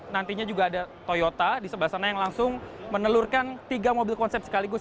nantinya juga ada toyota di sebelah sana yang langsung menelurkan tiga mobil konsep sekaligus